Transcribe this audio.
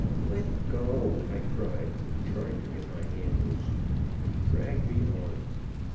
"'Let go!' I cried, trying to get my hand loose; but he dragged me on.